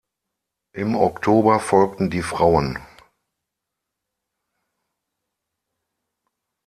Im Oktober folgten die Frauen.